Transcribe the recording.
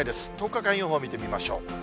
１０日間予報見てみましょう。